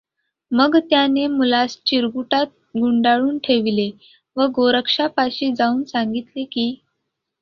मग त्याने मुलास चिरगुटात गुंडाळून ठेविले व गोरक्षापाशी जाऊन सांगितले की.